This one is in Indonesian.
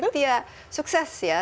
tia sukses ya